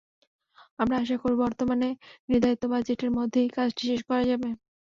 আমরা আশা করব, বর্তমানে নির্ধারিত বাজেটের মধ্যেই কাজটি শেষ করা যাবে।